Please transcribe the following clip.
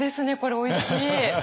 おいしい！